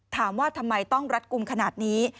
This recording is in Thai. ถามว่าทำไมต้องรัดกลุ่มขนาดนี้